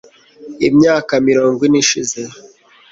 imyaka mirongo ine ishize